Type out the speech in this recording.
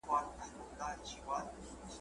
په لومړۍ ورځ چي په کار پسي روان سو ,